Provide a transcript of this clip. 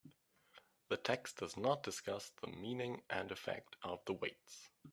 The text does not discuss the meaning and effect of the weights.